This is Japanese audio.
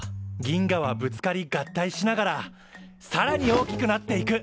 銀河はぶつかり合体しながらさらに大きくなっていく。